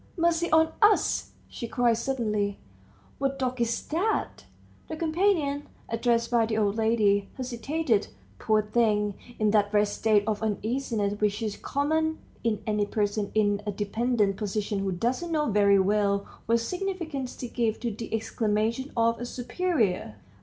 "Mercy on us!" she cried suddenly; "what dog is that?" The companion, addressed by the old lady, hesitated, poor thing, in that wretched state of uneasiness which is common in any person in a dependent position who doesn't know very well what significance to give to the exclamation of a superior.